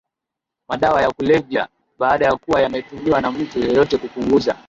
madawa ya kulevya baada ya kuwa yametumiwa na mtu yeyote hupunguza